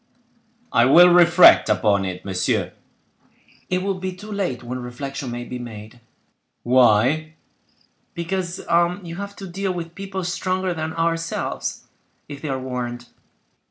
"I will reflect upon it, monsieur." "It will be too late when reflection may be made." "Why?" "Because you have to deal with people stronger than ourselves, if they are warned."